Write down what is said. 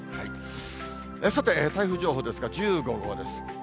さて、台風情報ですが、１５号です。